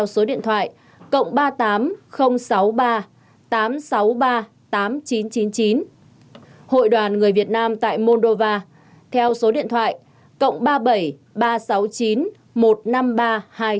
số điện thoại